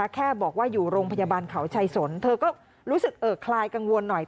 แค่บอกว่าอยู่โรงพยาบาลเขาชัยสนเธอก็รู้สึกคลายกังวลหน่อย